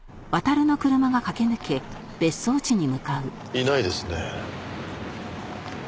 いないですね。